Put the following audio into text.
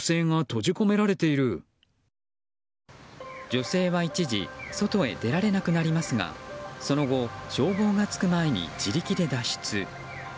女性は一時外へ出られなくなりますがその後、消防が着く前に自力で脱出。